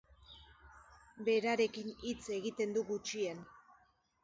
Berarekin hitz egiten du gutxien.